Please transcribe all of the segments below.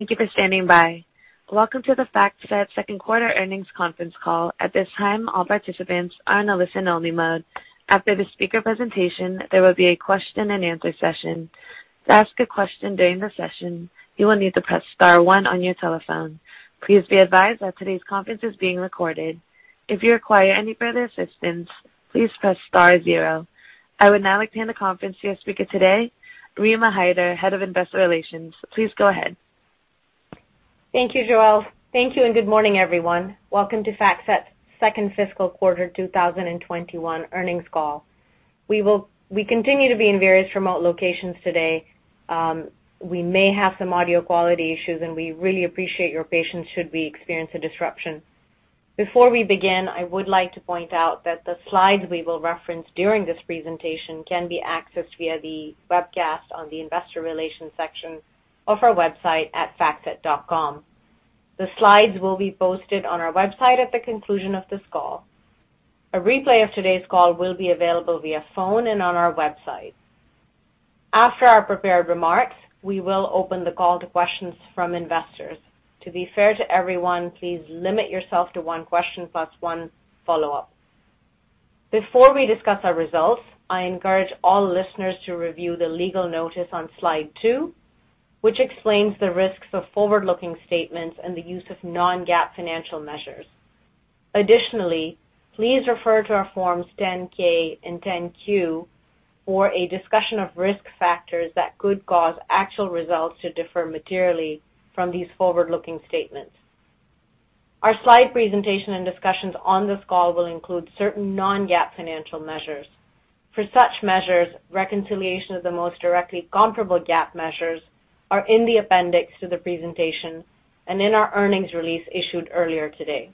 Thank you for standing by. Welcome to the FactSet second quarter earnings conference call. At this time, all participants are in a listen-only mode. After the speaker presentation, there will be a question-and-answer session. To ask a question during the session, you will need to press star one on your telephone. Please be advised that today's conference is being recorded. If you require any further assistance, please press star zero. I would now like to hand the conference to our speaker today, Rima Hyder, Head of Investor Relations. Please go ahead. Thank you, Joelle. Thank you and good morning, everyone. Welcome to FactSet's second fiscal quarter 2021 earnings call. We continue to be in various remote locations today. We may have some audio quality issues, and we really appreciate your patience should we experience a disruption. Before we begin, I would like to point out that the slides we will reference during this presentation can be accessed via the webcast on the investor relations section of our website at factset.com. The slides will be posted on our website at the conclusion of this call. A replay of today's call will be available via phone and on our website. After our prepared remarks, we will open the call to questions from investors. To be fair to everyone, please limit yourself to one question plus one follow-up. Before we discuss our results, I encourage all listeners to review the legal notice on slide two, which explains the risks of forward-looking statements and the use of non-GAAP financial measures. Please refer to our Forms 10-K and 10-Q for a discussion of risk factors that could cause actual results to differ materially from these forward-looking statements. Our slide presentation and discussions on this call will include certain non-GAAP financial measures. For such measures, reconciliation of the most directly comparable GAAP measures are in the appendix to the presentation and in our earnings release issued earlier today.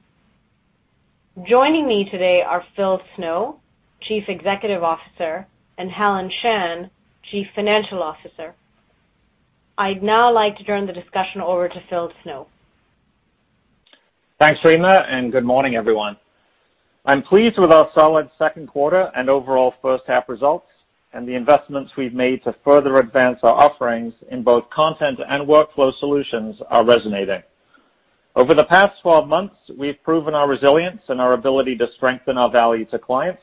Joining me today are Phil Snow, Chief Executive Officer, and Helen Shan, Chief Financial Officer. I'd now like to turn the discussion over to Phil Snow. Thanks, Rima, and good morning, everyone. I'm pleased with our solid second quarter and overall first-half results, the investments we've made to further advance our offerings in both content and workflow solutions are resonating. Over the past 12 months, we've proven our resilience and our ability to strengthen our value to clients,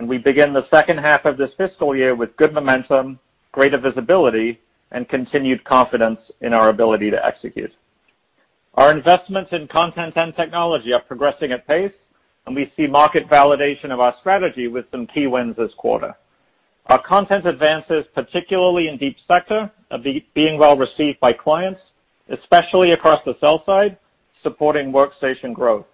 we begin the second half of this fiscal year with good momentum, greater visibility, and continued confidence in our ability to execute. Our investments in content and technology are progressing at pace, we see market validation of our strategy with some key wins this quarter. Our content advances, particularly in Deep Sector, are being well received by clients, especially across the sell side, supporting workstation growth.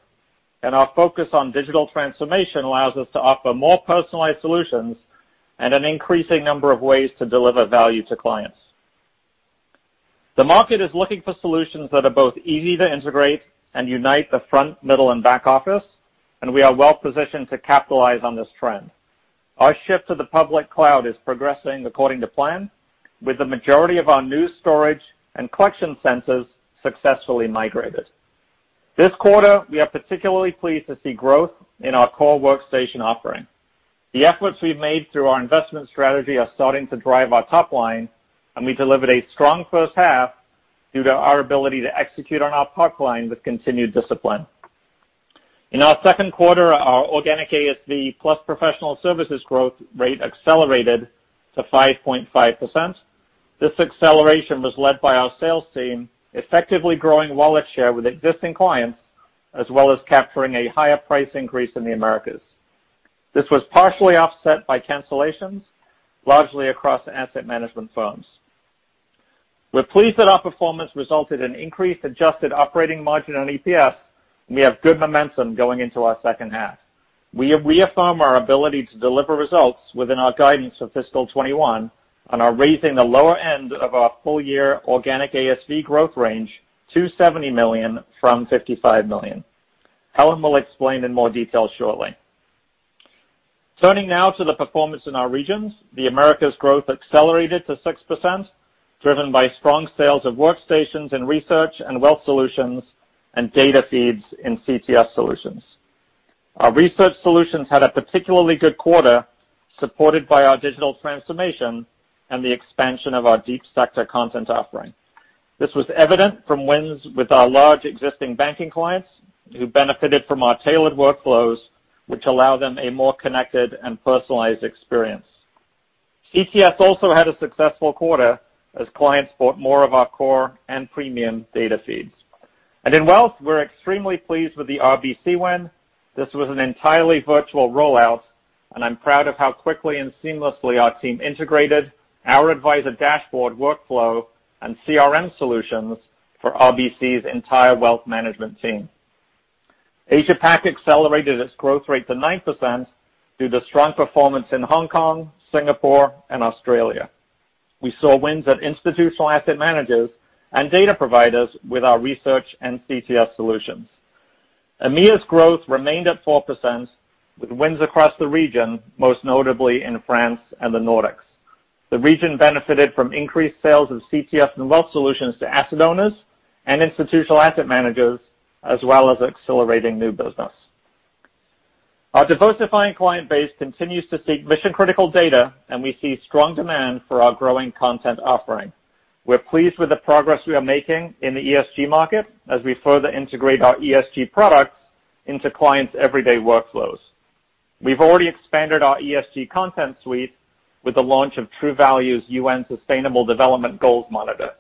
Our focus on digital transformation allows us to offer more personalized solutions and an increasing number of ways to deliver value to clients. The market is looking for solutions that are both easy to integrate and unite the front, middle, and back office, and we are well positioned to capitalize on this trend. Our shift to the public cloud is progressing according to plan, with the majority of our new storage and collection centers successfully migrated. This quarter, we are particularly pleased to see growth in our core workstation offering. The efforts we've made through our investment strategy are starting to drive our top line, and we delivered a strong first half due to our ability to execute on our pipeline with continued discipline. In our second quarter, our organic ASV plus professional services growth rate accelerated to 5.5%. This acceleration was led by our sales team effectively growing wallet share with existing clients, as well as capturing a higher price increase in the Americas. This was partially offset by cancellations, largely across asset management firms. We're pleased that our performance resulted in increased adjusted operating margin on EPS, and we have good momentum going into our second half. We reaffirm our ability to deliver results within our guidance for fiscal 2021 and are raising the lower end of our full-year organic ASV growth range to $70 million from $55 million. Helen will explain in more detail shortly. Turning now to the performance in our regions. The Americas growth accelerated to 6%, driven by strong sales of workstations in research and wealth solutions, and data feeds in CTS solutions. Our research solutions had a particularly good quarter, supported by our digital transformation and the expansion of our Deep Sector content offering. This was evident from wins with our large existing banking clients who benefited from our tailored workflows, which allow them a more connected and personalized experience. CTS also had a successful quarter as clients bought more of our core and premium data feeds. In wealth, we're extremely pleased with the RBC win. This was an entirely virtual rollout, and I'm proud of how quickly and seamlessly our team integrated our Advisor Dashboard workflow and CRM solutions for RBC's entire wealth management team. Asia Pac accelerated its growth rate to 9% due to strong performance in Hong Kong, Singapore, and Australia. We saw wins at institutional asset managers and data providers with our research and CTS solutions. EMEA's growth remained at 4%, with wins across the region, most notably in France and the Nordics. The region benefited from increased sales of CTS and wealth solutions to asset owners and institutional asset managers, as well as accelerating new business. Our diversifying client base continues to seek mission-critical data, and we see strong demand for our growing content offering. We're pleased with the progress we are making in the ESG market as we further integrate our ESG products into clients' everyday workflows. We've already expanded our ESG content suite with the launch of Truvalue Labs' UN Sustainable Development Goals Monitor.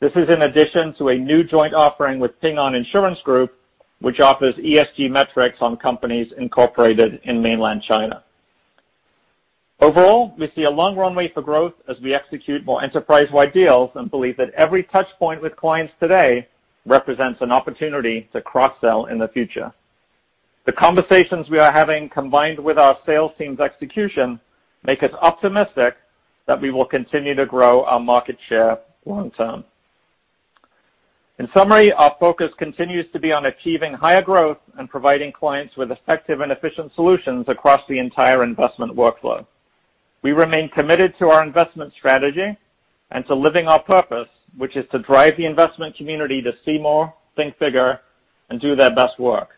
This is in addition to a new joint offering with Ping An Insurance Group, which offers ESG metrics on companies incorporated in mainland China. Overall, we see a long runway for growth as we execute more enterprise-wide deals and believe that every touchpoint with clients today represents an opportunity to cross-sell in the future. The conversations we are having, combined with our sales team's execution, make us optimistic that we will continue to grow our market share long term. In summary, our focus continues to be on achieving higher growth and providing clients with effective and efficient solutions across the entire investment workflow. We remain committed to our investment strategy and to living our purpose, which is to drive the investment community to see more, think bigger, and do their best work,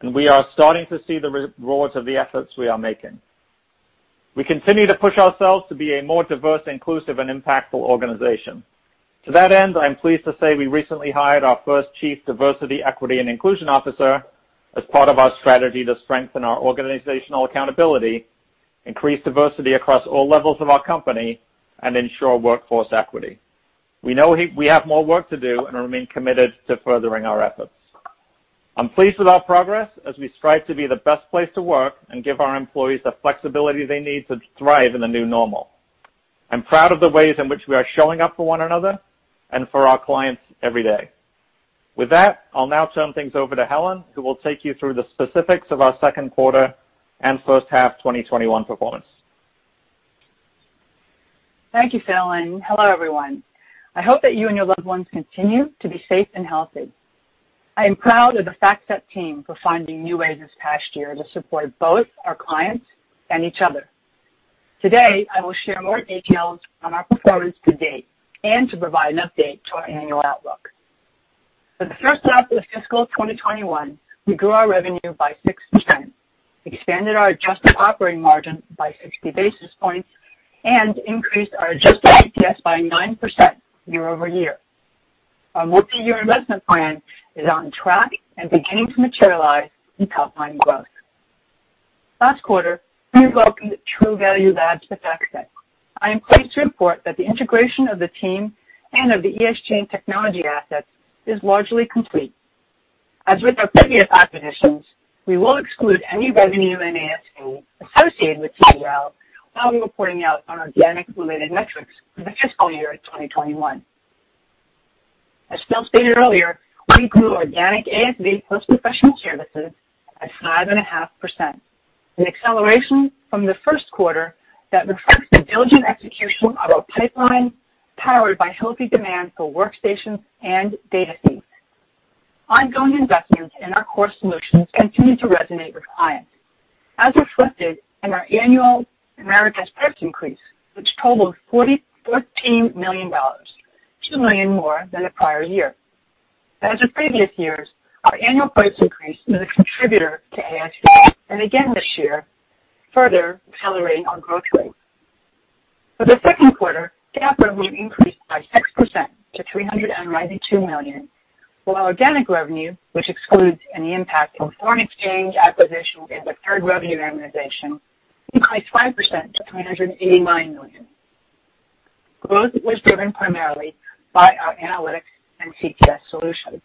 and we are starting to see the rewards of the efforts we are making. We continue to push ourselves to be a more diverse, inclusive, and impactful organization. To that end, I am pleased to say we recently hired our first Chief Diversity, Equity, and Inclusion Officer as part of our strategy to strengthen our organizational accountability, increase diversity across all levels of our company, and ensure workforce equity. We know we have more work to do and remain committed to furthering our efforts. I'm pleased with our progress as we strive to be the best place to work and give our employees the flexibility they need to thrive in the new normal. I'm proud of the ways in which we are showing up for one another and for our clients every day. With that, I'll now turn things over to Helen, who will take you through the specifics of our second quarter and first half 2021 performance. Thank you, Phil, and hello, everyone. I hope that you and your loved ones continue to be safe and healthy. I am proud of the FactSet team for finding new ways this past year to support both our clients and each other. Today, I will share more details on our performance to date and to provide an update to our annual outlook. For the first half of fiscal 2021, we grew our revenue by 6%, expanded our adjusted operating margin by 60 basis points, and increased our adjusted EPS by 9% year-over-year. Our multi-year investment plan is on track and beginning to materialize in top-line growth. Last quarter, we welcomed Truvalue Labs to FactSet. I am pleased to report that the integration of the team and of the ESG technology assets is largely complete. As with our previous acquisitions, we will exclude any revenue and ASV associated with TVL while reporting out on organic-related metrics for fiscal year 2021. As Phil stated earlier, we grew organic ASV plus professional services at 5.5%, an acceleration from the first quarter that reflects the diligent execution of our pipeline, powered by healthy demand for workstations and data feeds. Ongoing investments in our core solutions continue to resonate with clients, as reflected in our annual Americas price increase, which totaled $14 million, $2 million more than the prior year. As with previous years, our annual price increase is a contributor to ASV, and again this year, further accelerating our growth rate. For the second quarter, GAAP revenue increased by 6% to $392 million, while organic revenue, which excludes any impact of foreign exchange, acquisitions, and deferred revenue amortization, increased 5% to $389 million. Growth was driven primarily by our analytics and CTS solutions.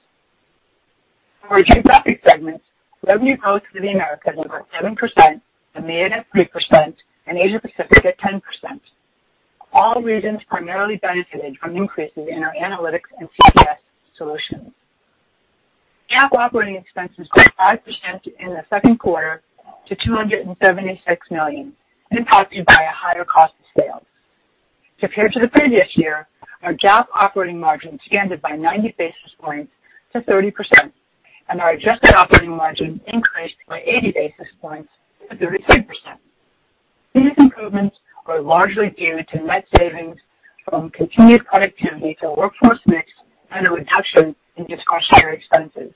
For our geographic segments, revenue growth for the Americas was up 7%, EMEA at 3%, and Asia Pacific at 10%. All regions primarily benefited from increases in our analytics and CTS solutions. GAAP operating expenses grew 5% in the second quarter to $276 million, impacted by a higher cost of sales. Compared to the previous year, our GAAP operating margin expanded by 90 basis points to 30%, and our adjusted operating margin increased by 80 basis points to 33%. These improvements were largely due to net savings from continued productivity to the workforce mix and a reduction in discretionary expenses,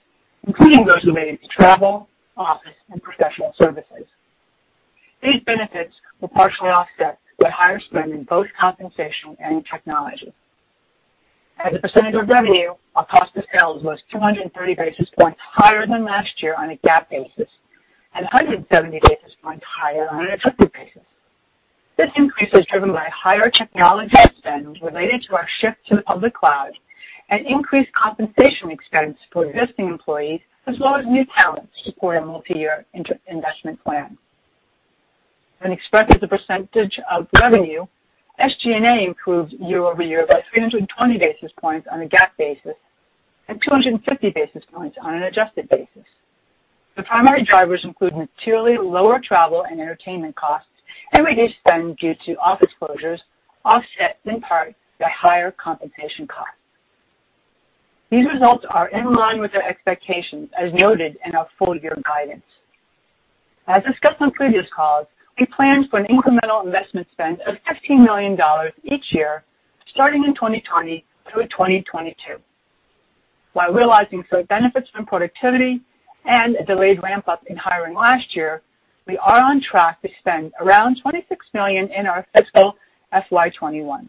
including those related to travel, office, and professional services. These benefits were partially offset by higher spend in both compensation and technology. As a percentage of revenue, our cost of sales was 230 basis points higher than last year on a GAAP basis and 170 basis points higher on an an adjusted basis. This increase was driven by higher technology spend related to our shift to the public cloud and increased compensation expense for existing employees, as well as new talent to support a multi-year investment plan. When expressed as a percentage of revenue, SG&A improved year-over-year by 320 basis points on a GAAP basis and 250 basis points on an adjusted basis. The primary drivers include materially lower travel and entertainment costs and reduced spend due to office closures, offset in part by higher compensation costs. These results are in line with our expectations as noted in our full-year guidance. As discussed on previous calls, we planned for an incremental investment spend of $15 million each year, starting in 2020 through 2022. While realizing some benefits from productivity and a delayed ramp-up in hiring last year, we are on track to spend around $26 million in our fiscal FY 2021.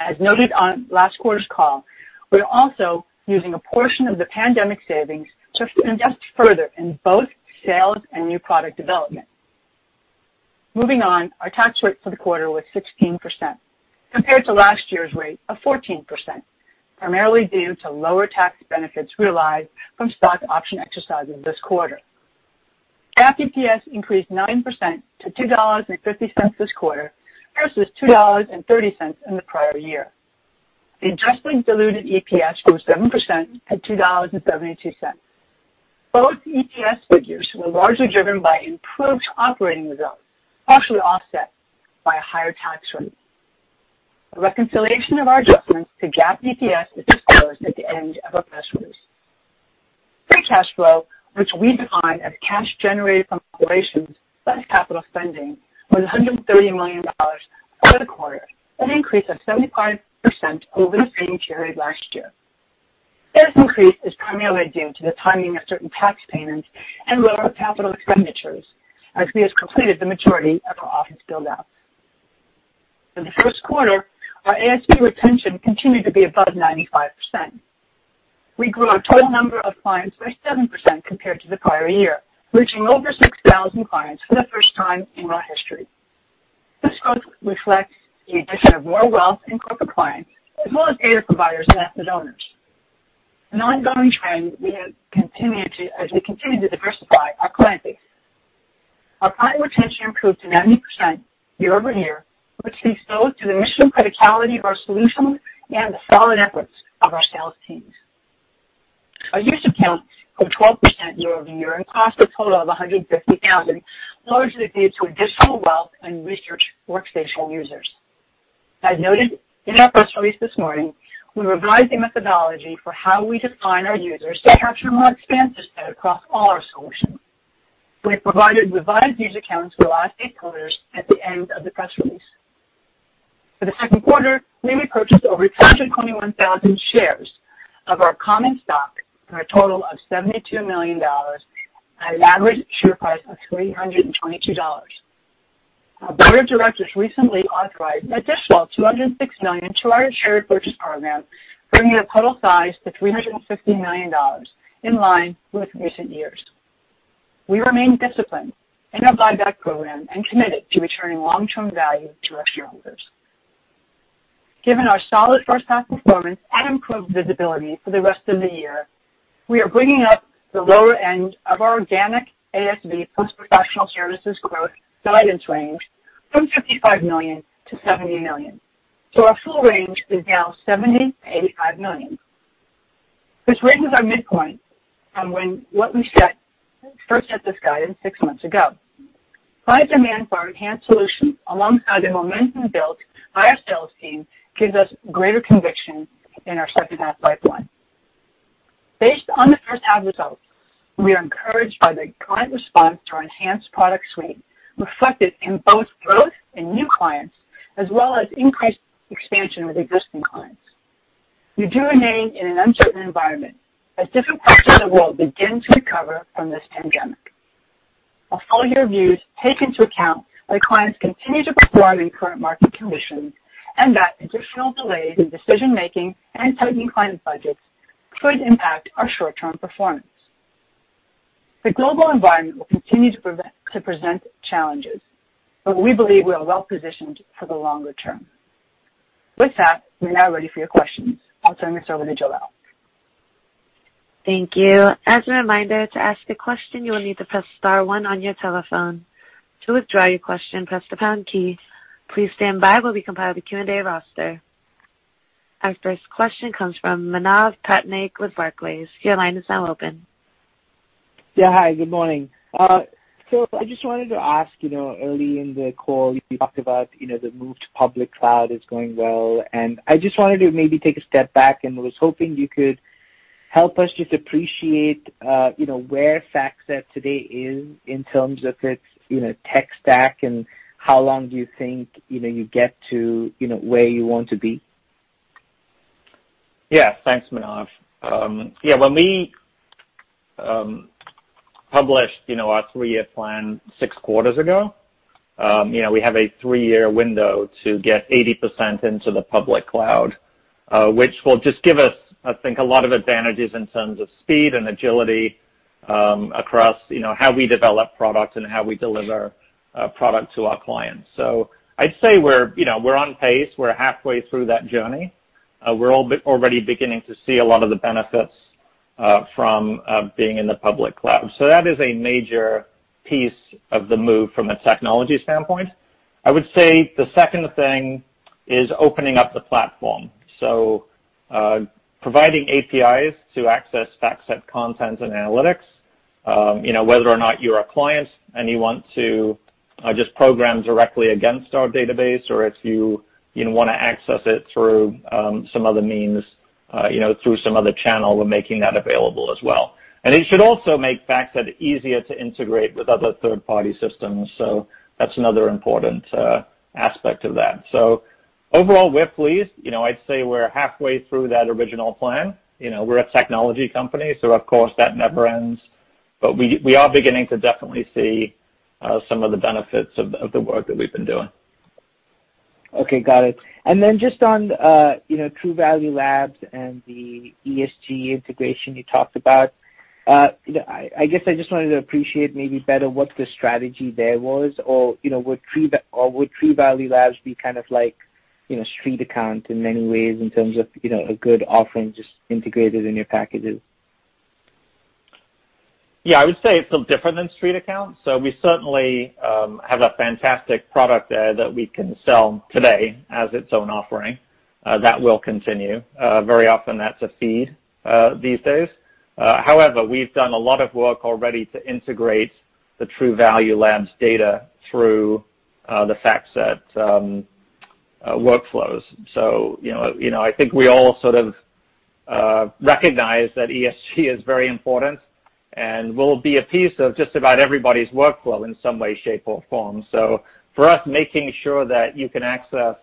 As noted on last quarter's call, we're also using a portion of the pandemic savings to invest further in both sales and new product development. Moving on, our tax rate for the quarter was 16%, compared to last year's rate of 14%, primarily due to lower tax benefits realized from stock option exercises this quarter. GAAP EPS increased 9% to $2.50 this quarter versus $2.30 in the prior year. The adjusted diluted EPS grew 7% at $2.72. Both EPS figures were largely driven by improved operating results, partially offset by a higher tax rate. A reconciliation of our adjustments to GAAP EPS is disclosed at the end of our press release. Free cash flow, which we define as cash generated from operations plus capital spending, was $130 million for the quarter, an increase of 75% over the same period last year. This increase is primarily due to the timing of certain tax payments and lower capital expenditures, as we have completed the majority of our office build-out. For the first quarter, our ASV retention continued to be above 95%. We grew our total number of clients by 7% compared to the prior year, reaching over 6,000 clients for the first time in our history. This growth reflects the addition of more wealth and corporate clients, as well as data providers and asset owners, an ongoing trend as we continue to diversify our client base. Our client retention improved to 90% year-over-year, which we owe to the mission criticality of our solutions and the solid efforts of our sales teams. Our user count grew 12% year-over-year and crossed a total of 150,000, largely due to additional wealth and research workstation users. As noted in our press release this morning, we revised the methodology for how we define our users to capture more expansion spend across all our solutions. We have provided revised user counts for the last eight quarters at the end of the press release. For the second quarter, we repurchased over 221,000 shares of our common stock for a total of $72 million at an average share price of $322. Our board of directors recently authorized an additional $206 million to our share repurchase program, bringing the total size to $350 million, in line with recent years. We remain disciplined in our buyback program and committed to returning long-term value to our shareholders. Given our solid first-half performance and improved visibility for the rest of the year, we are bringing up the lower end of our organic ASV post-professional services growth guidance range from $55 million-$70 million. Our full range is now $70 million-$85 million. This raises our midpoint from what we set first at this guidance six months ago. Client demand for our enhanced solutions, alongside the momentum built by our sales team, gives us greater conviction in our second-half pipeline. Based on the first half results, we are encouraged by the client response to our enhanced product suite, reflected in both growth in new clients as well as increased expansion with existing clients. We do remain in an uncertain environment as different parts of the world begin to recover from this pandemic. Our full-year views take into account that clients continue to perform in current market conditions, and that additional delays in decision-making and tightening client budgets could impact our short-term performance. The global environment will continue to present challenges, but we believe we are well positioned for the longer term. With that, we're now ready for your questions. I'll turn this over to Joelle. Thank you. As a reminder, to ask a question, you will need to press star one on your telephone. To withdraw your question, press the pound key. Please stand by while we compile the Q&A roster. Our first question comes from Manav Patnaik with Barclays. Your line is now open. Yeah. Hi, good morning. I just wanted to ask, early in the call, you talked about the move to public cloud is going well, and I just wanted to maybe take a step back, and was hoping you could help us just appreciate where FactSet today is in terms of its tech stack, and how long do you think you get to where you want to be? Thanks, Manav. When we published our three-year plan six quarters ago, we have a three-year window to get 80% into the public cloud, which will just give us, I think, a lot of advantages in terms of speed and agility across how we develop products and how we deliver product to our clients. I'd say we're on pace. We're halfway through that journey. We're already beginning to see a lot of the benefits from being in the public cloud. That is a major piece of the move from a technology standpoint. I would say the second thing is opening up the platform. Providing APIs to access FactSet content and analytics, whether or not you're a client and you want to just program directly against our database, or if you want to access it through some other means, through some other channel, we're making that available as well. It should also make FactSet easier to integrate with other third-party systems. That's another important aspect of that. Overall, we're pleased. I'd say we're halfway through that original plan. We're a technology company, so of course, that never ends. We are beginning to definitely see some of the benefits of the work that we've been doing. Okay. Got it. Just on Truvalue Labs and the ESG integration you talked about. I guess I just wanted to appreciate maybe better what the strategy there was, or would Truvalue Labs be kind of like StreetAccount in many ways in terms of a good offering just integrated in your packages? Yeah, I would say it's a little different than StreetAccount. We certainly have a fantastic product there that we can sell today as its own offering. That will continue. Very often that's a feed these days. However, we've done a lot of work already to integrate the Truvalue Labs data through the FactSet workflows. I think we all sort of recognize that ESG is very important and will be a piece of just about everybody's workflow in some way, shape, or form. For us, making sure that you can access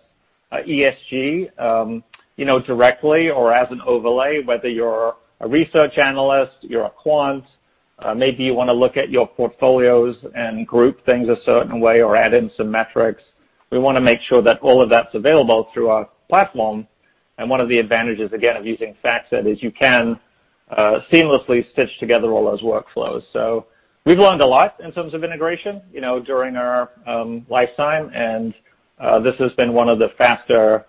ESG directly or as an overlay, whether you're a research analyst, you're a quant, maybe you want to look at your portfolios and group things a certain way or add in some metrics. We want to make sure that all of that's available through our platform, and one of the advantages, again, of using FactSet is you can seamlessly stitch together all those workflows. We've learned a lot in terms of integration during our lifetime, and this has been one of the faster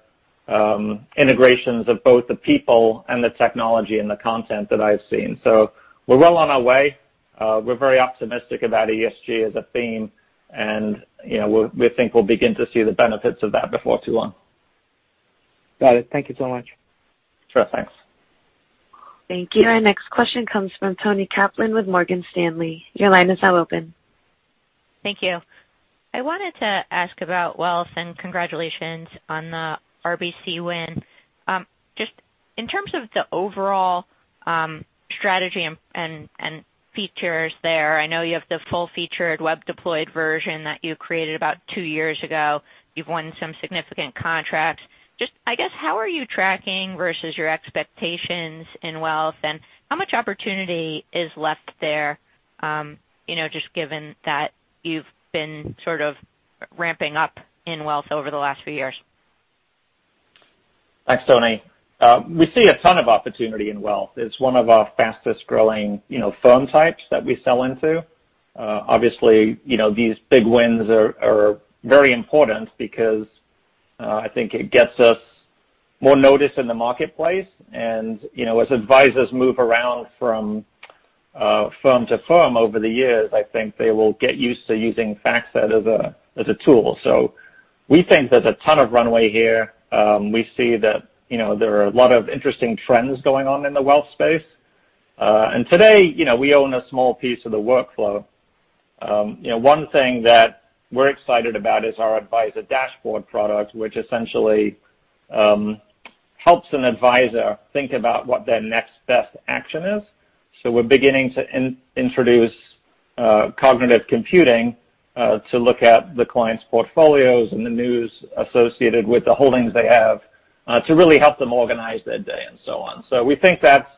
integrations of both the people and the technology and the content that I've seen. We're well on our way. We're very optimistic about ESG as a theme, and we think we'll begin to see the benefits of that before too long. Got it. Thank you so much. Sure. Thanks. Thank you. Our next question comes from Toni Kaplan with Morgan Stanley. Your line is now open. Thank you. I wanted to ask about wealth, and congratulations on the RBC win. Just in terms of the overall strategy and features there, I know you have the full-featured web-deployed version that you created about two years ago. You've won some significant contracts. Just, I guess, how are you tracking versus your expectations in wealth, and how much opportunity is left there, just given that you've been sort of ramping up in wealth over the last few years? Thanks, Toni. We see a ton of opportunity in wealth. It's one of our fastest-growing firm types that we sell into. Obviously, these big wins are very important because I think it gets us more notice in the marketplace. As advisors move around from firm to firm over the years, I think they will get used to using FactSet as a tool. We think there's a ton of runway here. We see that there are a lot of interesting trends going on in the wealth space. Today, we own a small piece of the workflow. One thing that we're excited about is our Advisor Dashboard product, which essentially helps an advisor think about what their next best action is. We're beginning to introduce cognitive computing to look at the client's portfolios and the news associated with the holdings they have to really help them organize their day, and so on. We think that's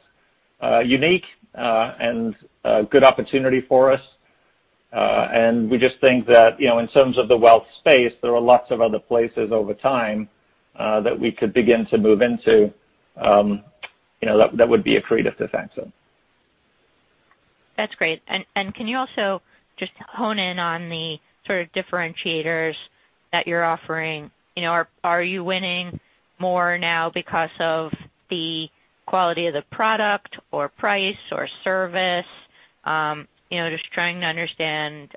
unique and a good opportunity for us. We just think that in terms of the wealth space, there are lots of other places over time that we could begin to move into that would be accretive to FactSet. That's great. Can you also just hone in on the sort of differentiators that you're offering? Are you winning more now because of the quality of the product, or price, or service? Just trying to understand.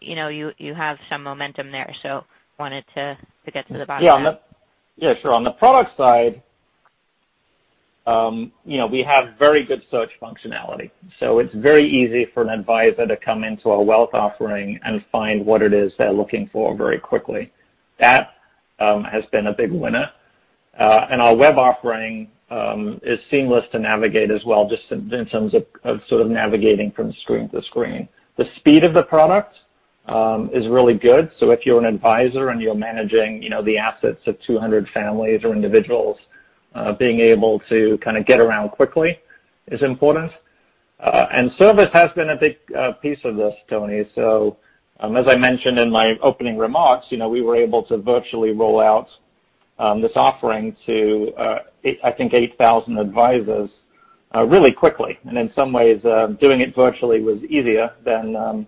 You have some momentum there, so wanted to get to the bottom of that. Yeah. Sure. On the product side, we have very good search functionality. It's very easy for an advisor to come into our wealth offering and find what it is they're looking for very quickly. That has been a big winner. Our web offering is seamless to navigate as well, just in terms of sort of navigating from screen to screen. The speed of the product is really good. If you're an advisor and you're managing the assets of 200 families or individuals, being able to kind of get around quickly is important. Service has been a big piece of this, Toni. As I mentioned in my opening remarks, we were able to virtually roll out this offering to, I think, 8,000 advisors really quickly. In some ways, doing it virtually was easier than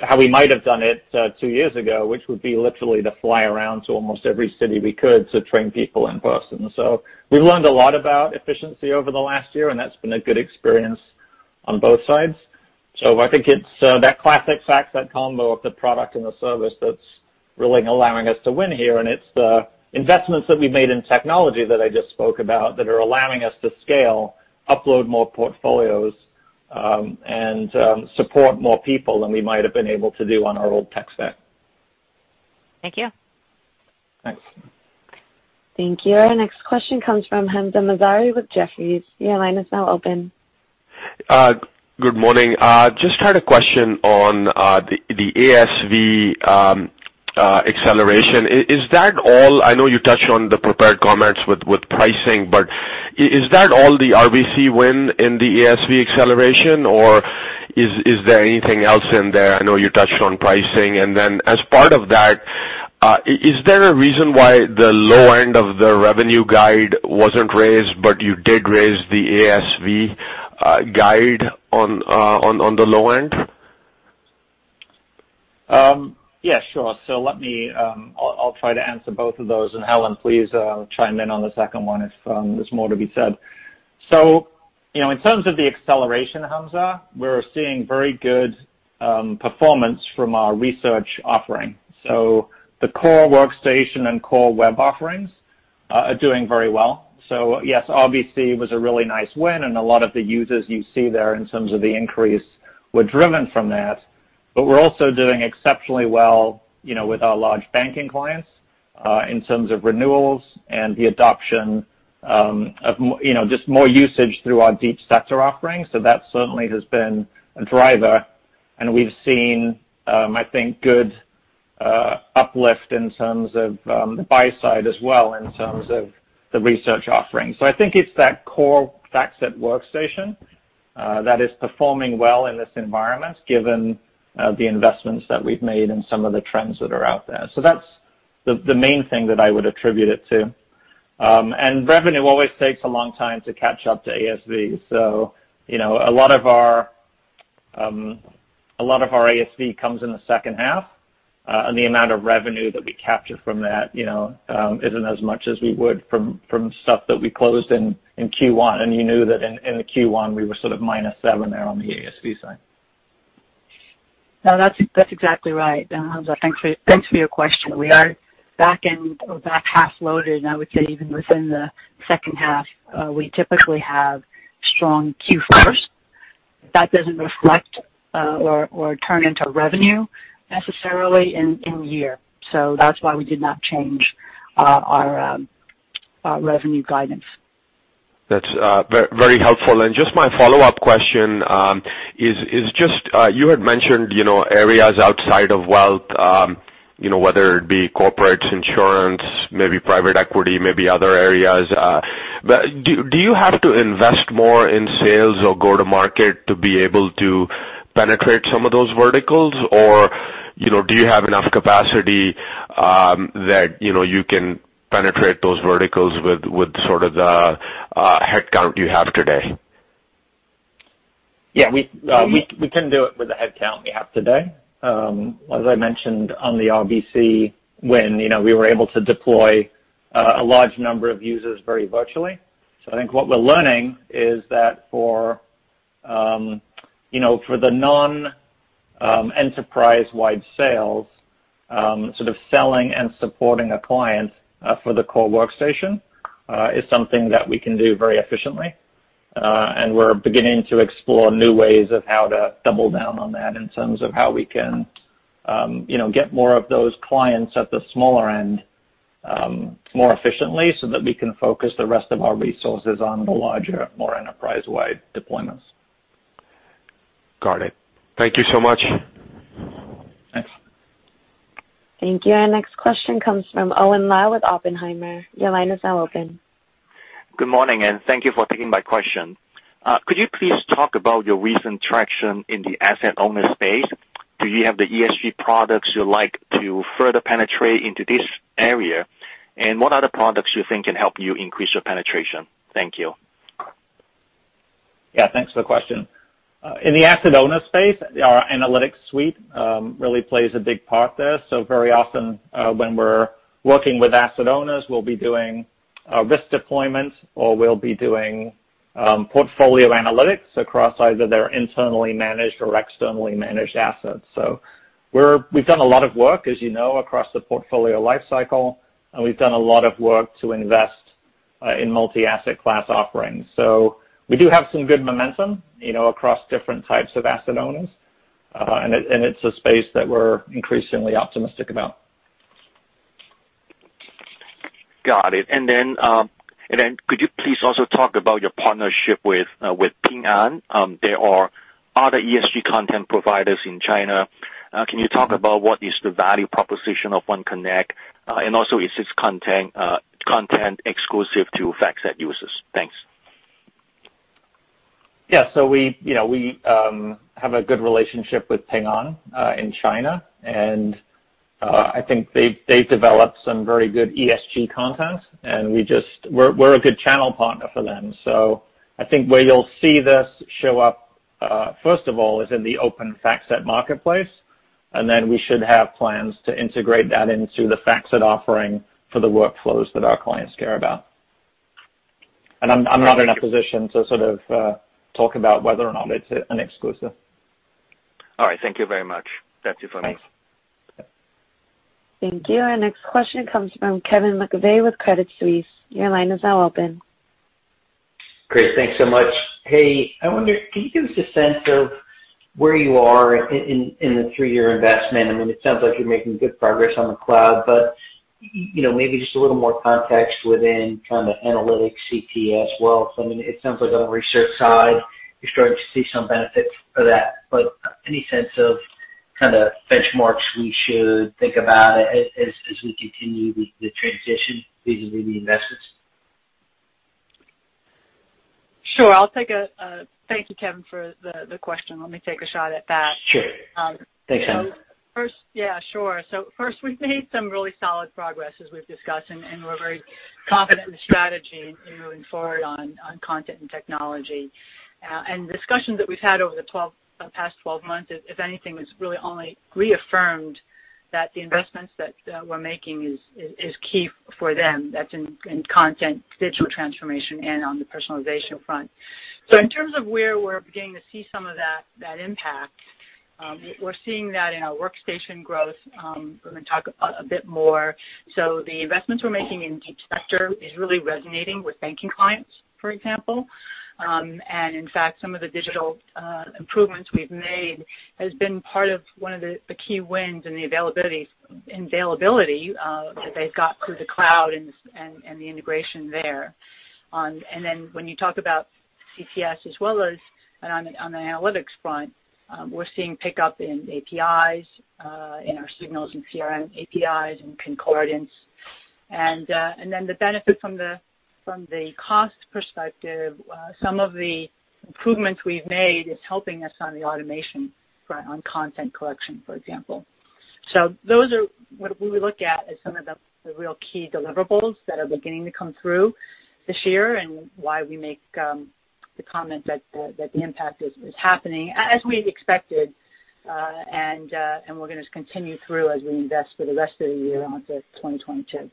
how we might have done it two years ago, which would be literally to fly around to almost every city we could to train people in person. We've learned a lot about efficiency over the last year, and that's been a good experience on both sides. I think it's that classic FactSet combo of the product and the service that's really allowing us to win here, and it's the investments that we've made in technology that I just spoke about that are allowing us to scale, upload more portfolios, and support more people than we might have been able to do on our old tech stack. Thank you. Thanks. Thank you. Our next question comes from Hamzah Mazari with Jefferies. Your line is now open. Good morning. Just had a question on the ASV acceleration. I know you touched on the prepared comments with pricing, but is that all the RBC win in the ASV acceleration, or is there anything else in there? I know you touched on pricing. As part of that, is there a reason why the low end of the revenue guide wasn't raised, but you did raise the ASV guide on the low end? Yeah, sure. I'll try to answer both of those, and Helen, please chime in on the second one if there's more to be said. In terms of the acceleration, Hamzah, we're seeing very good performance from our research offering. The core workstation and core web offerings are doing very well. Yes, obviously, it was a really nice win, and a lot of the users you see there in terms of the increase were driven from that. We're also doing exceptionally well with our large banking clients in terms of renewals and the adoption of just more usage through our Deep Sector offerings. That certainly has been a driver, and we've seen, I think, good uplift in terms of the buy side as well in terms of the research offerings. I think it's that core FactSet workstation that is performing well in this environment given the investments that we've made and some of the trends that are out there. That's the main thing that I would attribute it to. Revenue always takes a long time to catch up to ASV. A lot of our ASV comes in the second half. The amount of revenue that we capture from that isn't as much as we would from stuff that we closed in Q1. You knew that in the Q1, we were sort of minus seven there on the ASV side. That's exactly right, Hamzah. Thanks for your question. We are back-end or back-half loaded, and I would say even within the second half, we typically have strong Q1s. That doesn't reflect or turn into revenue necessarily in year. That's why we did not change our revenue guidance. That's very helpful. Just my follow-up question is just, you had mentioned areas outside of wealth, whether it be corporates, insurance, maybe private equity, maybe other areas. Do you have to invest more in sales or go to market to be able to penetrate some of those verticals? Or do you have enough capacity that you can penetrate those verticals with sort of the headcount you have today? Yeah, we can do it with the headcount we have today. As I mentioned on the RBC win, we were able to deploy a large number of users very virtually. I think what we're learning is that for the non-enterprise-wide sales, sort of selling and supporting a client for the core workstation is something that we can do very efficiently. We're beginning to explore new ways of how to double down on that in terms of how we can get more of those clients at the smaller end more efficiently, so that we can focus the rest of our resources on the larger, more enterprise-wide deployments. Got it. Thank you so much. Thanks. Thank you. Our next question comes from Owen Lau with Oppenheimer. Your line is now open. Good morning, and thank you for taking my question. Could you please talk about your recent traction in the asset owner space? Do you have the ESG products you'd like to further penetrate into this area? What other products you think can help you increase your penetration? Thank you. Thanks for the question. In the asset owner space, our analytics suite really plays a big part there. Very often, when we're working with asset owners, we'll be doing risk deployments, or we'll be doing portfolio analytics across either their internally managed or externally managed assets. We've done a lot of work, as you know, across the portfolio life cycle, and we've done a lot of work to invest in multi-asset class offerings. We do have some good momentum across different types of asset owners, and it's a space that we're increasingly optimistic about. Got it. Could you please also talk about your partnership with Ping An? There are other ESG content providers in China. Can you talk about what is the value proposition of OneConnect, and also is its content exclusive to FactSet users? Thanks. Yeah. We have a good relationship with Ping An in China, I think they've developed some very good ESG content, we're a good channel partner for them. I think where you'll see this show up, first of all, is in the Open:FactSet Marketplace, we should have plans to integrate that into the FactSet offering for the workflows that our clients care about. I'm not in a position to sort of talk about whether or not it's an exclusive. All right. Thank you very much. That's it for me. Thanks. Thank you. Our next question comes from Kevin McVeigh with Credit Suisse. Your line is now open. Great. Thanks so much. Hey, I wonder, can you give us a sense of where you are in the three-year investment? It sounds like you're making good progress on the cloud, but maybe just a little more context within kind of analytics CTS. Well, it sounds like on the research side, you're starting to see some benefits for that, but any sense of kind of benchmarks we should think about as we continue the transition vis-a-vis the investments? Sure. Thank you, Kevin, for the question. Let me take a shot at that. Sure. Thanks, Helen. Sure. First, we've made some really solid progress, as we've discussed, and we're very confident in the strategy moving forward on Content and Technology. Discussions that we've had over the past 12 months, if anything, has really only reaffirmed that the investments that we're making is key for them. That's in content, digital transformation, and on the personalization front. In terms of where we're beginning to see some of that impact, we're seeing that in our workstation growth. We're going to talk a bit more. The investments we're making in Deep Sector is really resonating with banking clients, for example. In fact, some of the digital improvements we've made has been part of one of the key wins in the availability that they've got through the cloud and the integration there. When you talk about CTS as well as on an analytics front, we're seeing pickup in APIs, in our Signals in CRM APIs and Concordance. The benefit from the cost perspective, some of the improvements we've made is helping us on the automation front, on content collection, for example. Those are what we would look at as some of the real key deliverables that are beginning to come through this year and why we make the comment that the impact is happening as we expected. We're going to continue through as we invest for the rest of the year on to 2022.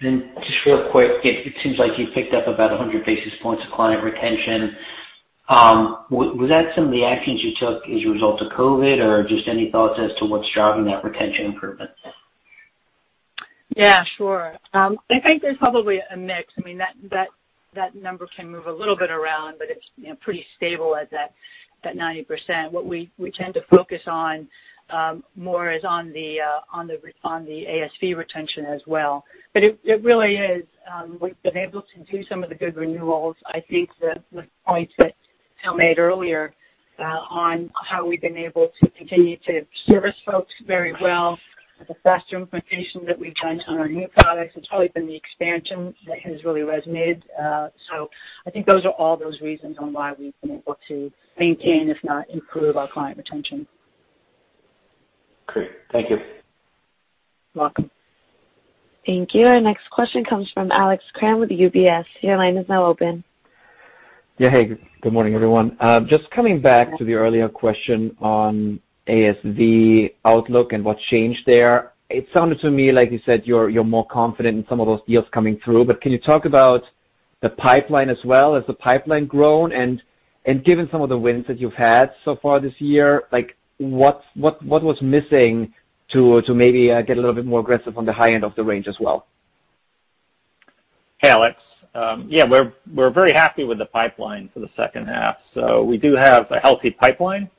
Just real quick, it seems like you've picked up about 100 basis points of client retention. Was that some of the actions you took as a result of COVID, or just any thoughts as to what's driving that retention improvement? Yeah, sure. I think there's probably a mix. That number can move a little bit around, but it's pretty stable at that 90%. What we tend to focus on more is on the ASV retention as well. We've been able to do some of the good renewals. I think the points that Phil made earlier on how we've been able to continue to service folks very well, the faster implementation that we've done on our new products has probably been the expansion that has really resonated. I think those are all those reasons on why we've been able to maintain, if not improve our client retention. Great. Thank you. You're welcome. Thank you. Our next question comes from Alex Kramm with UBS. Your line is now open. Yeah. Hey, good morning, everyone. Just coming back to the earlier question on ASV outlook and what's changed there. It sounded to me like you said, you're more confident in some of those deals coming through, but can you talk about the pipeline as well? Has the pipeline grown? Given some of the wins that you've had so far this year, what was missing to maybe get a little bit more aggressive on the high end of the range as well? Hey, Alex. We're very happy with the pipeline for the second half. We do have a healthy pipeline.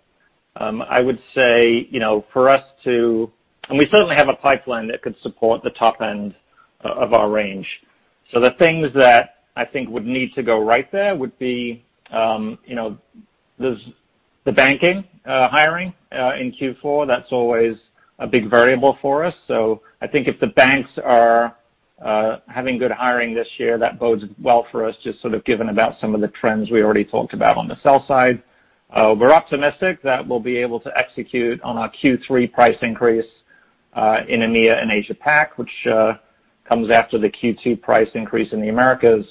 I would say, we certainly have a pipeline that could support the top end of our range. The things that I think would need to go right there would be the banking hiring in Q4. That's always a big variable for us. I think if the banks are having good hiring this year, that bodes well for us, just sort of given about some of the trends we already talked about on the sell side. We're optimistic that we'll be able to execute on our Q3 price increase in EMEA and Asia Pac, which comes after the Q2 price increase in the Americas.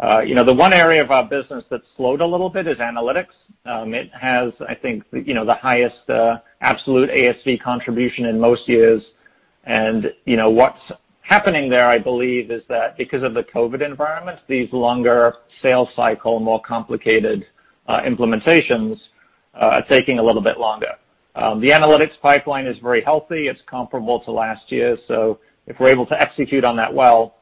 The one area of our business that's slowed a little bit is analytics. It has, I think, the highest absolute ASV contribution in most years. What's happening there, I believe, is that because of the COVID environment, these longer sales cycle, more complicated implementations are taking a little bit longer. The analytics pipeline is very healthy. It's comparable to last year. If we're able to execute on that well,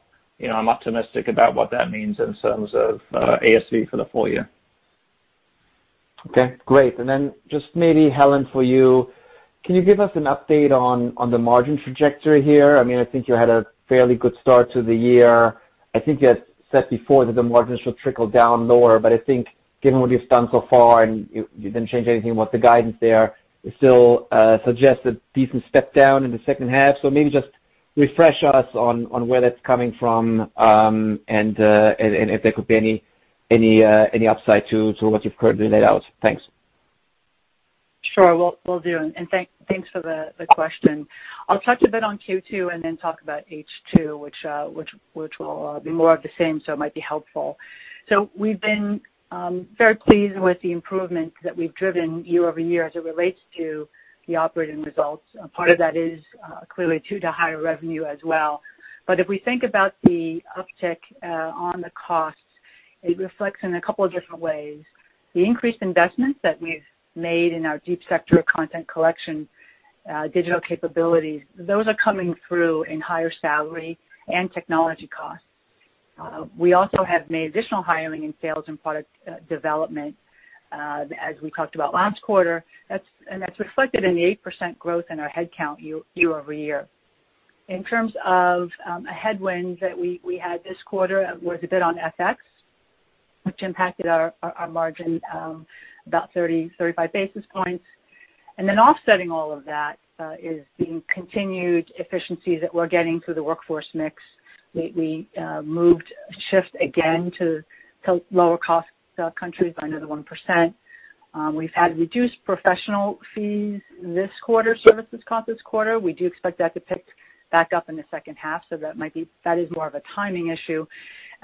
I'm optimistic about what that means in terms of ASV for the full-year. Okay, great. Just maybe, Helen, for you, can you give us an update on the margin trajectory here? I think you had a fairly good start to the year. I think you had said before that the margins will trickle down lower, but I think given what you've done so far, and you didn't change anything with the guidance there, it still suggests a decent step down in the second half. Maybe just refresh us on where that's coming from, and if there could be any upside to what you've currently laid out. Thanks. Sure, will do. Thanks for the question. I'll touch a bit on Q2 and then talk about H2, which will be more of the same, so it might be helpful. We've been very pleased with the improvement that we've driven year-over-year as it relates to the operating results. Part of that is clearly due to higher revenue as well. If we think about the uptick on the costs, it reflects in a couple of different ways. The increased investments that we've made in our FactSet Deep Sector of content collection, digital capabilities, those are coming through in higher salary and technology costs. We also have made additional hiring in sales and product development, as we talked about last quarter, and that's reflected in the 8% growth in our headcount year-over-year. In terms of a headwind that we had this quarter was a bit on FX, which impacted our margin about 30, 35 basis points. Offsetting all of that is the continued efficiency that we're getting through the workforce mix. We moved shift again to lower-cost countries by another 1%. We've had reduced professional fees this quarter, services cost this quarter. We do expect that to pick back up in the second half, so that is more of a timing issue.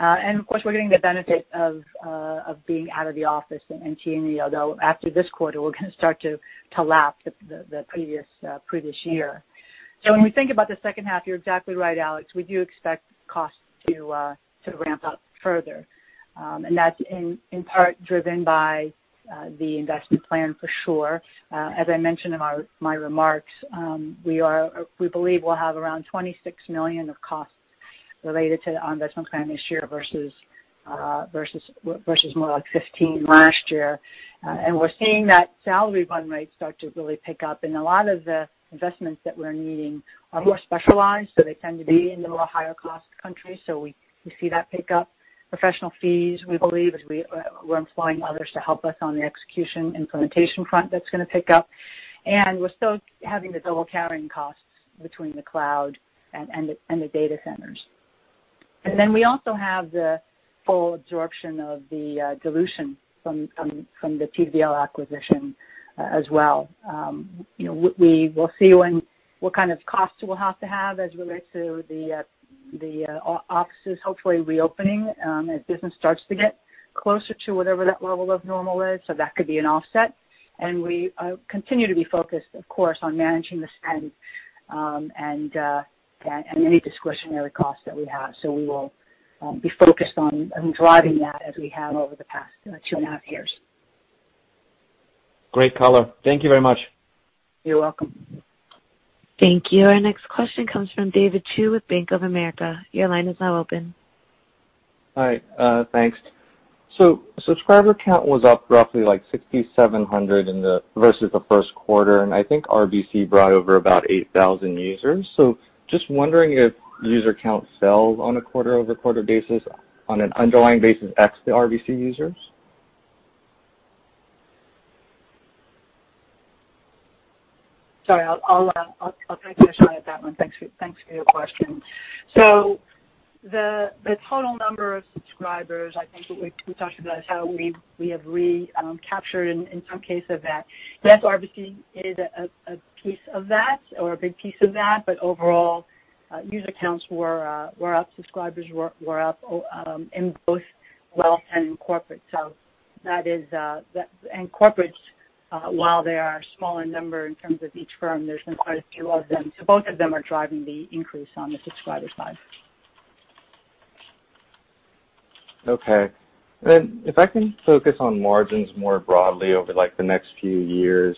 Of course, we're getting the benefit of being out of the office and T&E, although after this quarter, we're going to start to lap the previous year. When we think about the second half, you're exactly right, Alex, we do expect costs to ramp up further. That's in part driven by the investment plan for sure. As I mentioned in my remarks, we believe we'll have around $26 million of costs related to the investment plan this year versus more like $15 million last year. We're seeing that salary run rates start to really pick up. A lot of the investments that we're needing are more specialized, so they tend to be in the more higher-cost countries. We see that pick up. Professional fees, we believe, as we're employing others to help us on the execution implementation front, that's going to pick up. We're still having the double carrying costs between the cloud and the data centers. We also have the full absorption of the dilution from the TVL acquisition as well. We will see what kind of costs we'll have to have as relates to the offices hopefully reopening as business starts to get closer to whatever that level of normal is. That could be an offset. We continue to be focused, of course, on managing the spend, and any discretionary costs that we have. We will be focused on driving that as we have over the past 2.5 years. Great color. Thank you very much. You're welcome. Thank you. Our next question comes from David Chu with Bank of America. Your line is now open. Hi. Thanks. Subscriber count was up roughly like 6,700 versus the first quarter, and I think RBC brought over about 8,000 users. Just wondering if user count fell on a quarter-over-quarter basis on an underlying basis X the RBC users. Sorry, I'll take a shot at that one. Thanks for your question. The total number of subscribers, I think we talked about how we have recaptured in some cases that. RBC is a piece of that or a big piece of that, overall, user counts were up, subscribers were up in both wealth and corporate. In corporate, while they are small in number in terms of each firm, there's been quite a few of them. Both of them are driving the increase on the subscriber side. Okay. If I can focus on margins more broadly over the next few years.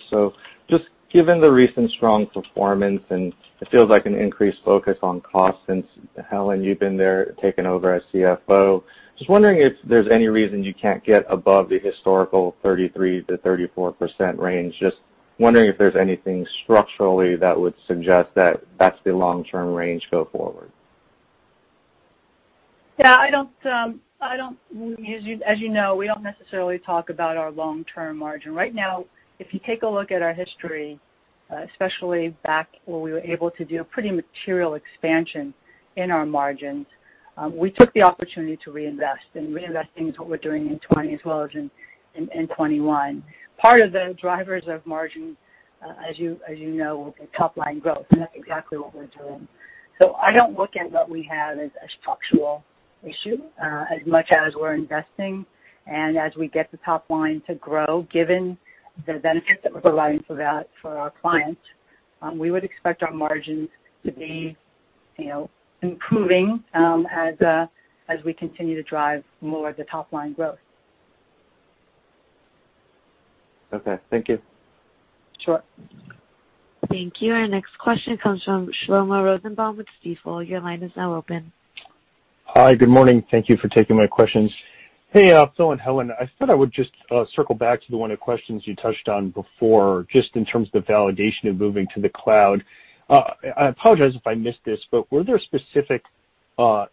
Just given the recent strong performance, and it feels like an increased focus on cost since Helen, you've been there taken over as CFO. Just wondering if there's any reason you can't get above the historical 33%-34% range. Just wondering if there's anything structurally that would suggest that that's the long-term range go forward. As you know, we don't necessarily talk about our long-term margin. Right now, if you take a look at our history, especially back when we were able to do a pretty material expansion in our margins, we took the opportunity to reinvest, and reinvesting is what we're doing in 2020 as well as in 2021. Part of the drivers of margin, as you know, will be top-line growth, and that's exactly what we're doing. I don't look at what we have as a structural issue, as much as we're investing. As we get the top-line to grow, given the benefit that we're providing for our clients, we would expect our margins to be improving as we continue to drive more of the top-line growth. Okay. Thank you. Sure. Thank you. Our next question comes from Shlomo Rosenbaum with Stifel. Your line is now open. Hi. Good morning. Thank you for taking my questions. Hey, Phil and Helen. I thought I would just circle back to one of the questions you touched on before, just in terms of validation of moving to the cloud. I apologize if I missed this, but were there specific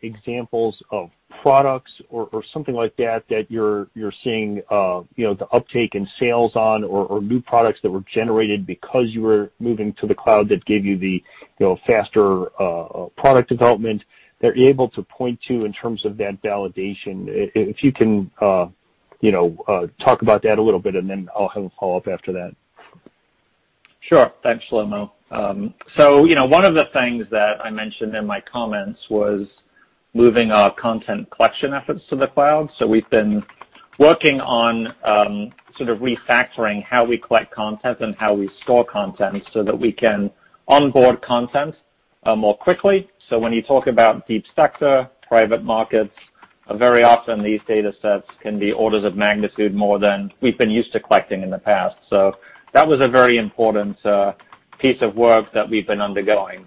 examples of products or something like that that you're seeing the uptake in sales on or new products that were generated because you were moving to the cloud that gave you the faster product development that you're able to point to in terms of that validation? If you can talk about that a little bit, and then I'll have a follow-up after that. Sure. Thanks, Shlomo. One of the things that I mentioned in my comments was moving our content collection efforts to the cloud. We've been working on sort of refactoring how we collect content and how we store content so that we can onboard content more quickly. When you talk about deep sector, private markets, very often these data sets can be orders of magnitude more than we've been used to collecting in the past. That was a very important piece of work that we've been undergoing.